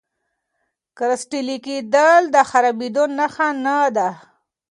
کرسټالي کېدل د خرابېدو نښه نه ده.